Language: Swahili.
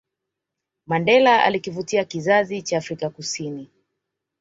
Mandela alikivutia kizazi cha Afrika Kusini